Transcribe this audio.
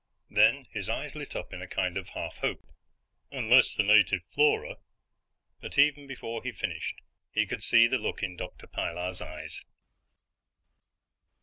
Then his eyes lit up in a kind of half hope. "Unless the native flora " But even before he finished, he could see the look in Dr. Pilar's eyes.